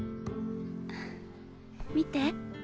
見て。